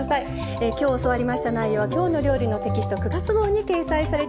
今日教わりました内容は「きょうの料理」のテキスト９月号に掲載されています。